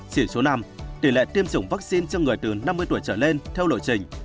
chỉ số năm tỷ lệ tiêm chủng vaccine cho người từ năm mươi tuổi trở lên theo lộ trình